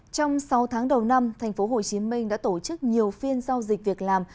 trong sáu tháng đầu năm tp hcm đã tổ chức nhiều phiên giao dịch việc làm